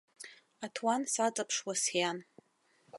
Аҭуан саҵаԥшуа сиан.